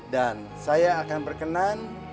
dan saya akan berkenan